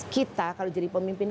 kita kalau jadi pemimpin